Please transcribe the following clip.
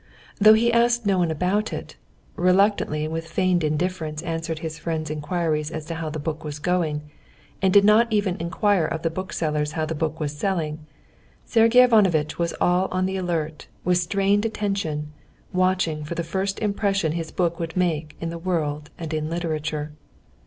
Though he asked no one about it, reluctantly and with feigned indifference answered his friends' inquiries as to how the book was going, and did not even inquire of the booksellers how the book was selling, Sergey Ivanovitch was all on the alert, with strained attention, watching for the first impression his book would make in the world and in literature.